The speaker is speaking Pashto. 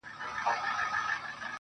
ستا د ښايستې خولې ښايستې خبري.